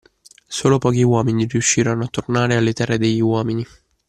Solo pochi uomini riuscirono a tornare alle terre degli uomini